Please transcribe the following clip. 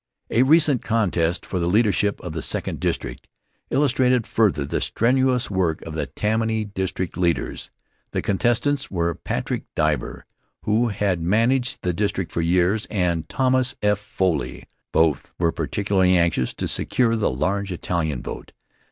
A recent contest for the leadership of the Second District illustrated further the strenuous work of the Tammany district leaders. The contestants were Patrick Divver, who had managed the district for years, and Thomas F. Foley. Both were particularly anxious to secure the large Italian vote.